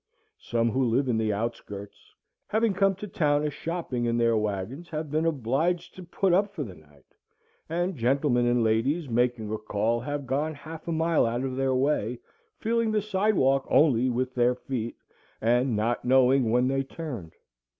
Some who live in the outskirts, having come to town a shopping in their wagons, have been obliged to put up for the night; and gentlemen and ladies making a call have gone half a mile out of their way, feeling the sidewalk only with their feet, and not knowing when they turned.